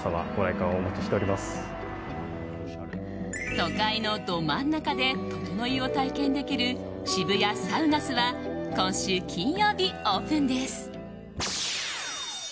都会のど真ん中でととのいを体験できる渋谷ＳＡＵＮＡＳは今週金曜日オープンです。